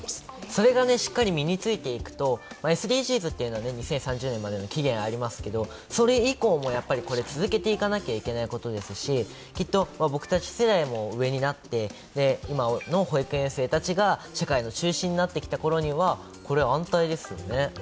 それがしっかり身についていくと、ＳＤＧｓというのは２０３０年までの期限ありますけど、それ以降もこれ続けていかなきゃいけないことですしきっと僕たち世代も上になって今の保育園生たちが社会の中心になってきたころにはこれは安泰ですよね。